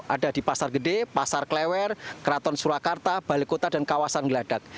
ada di pasar gede pasar klewer keraton surakarta balai kota dan kawasan geladak